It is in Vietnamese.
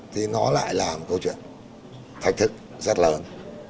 thì nó lại là một câu chuyện thách thức rất lớn